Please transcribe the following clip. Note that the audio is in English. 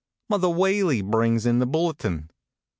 Mother Whaley brings in the bulletin.